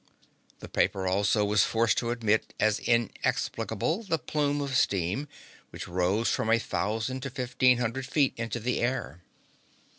This paper also was forced to admit as inexplicable the plume of steam which rose from a thousand to fifteen hundred feet into the air.